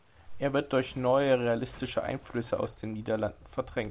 Er wird durch neue realistische Einflüsse aus den Niederlanden verdrängt.